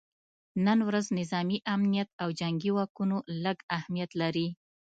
نن ورځ نظامي امنیت او جنګي واکونه لږ اهمیت لري